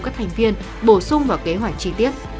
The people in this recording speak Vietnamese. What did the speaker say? các thành viên bổ sung vào kế hoạch chi tiết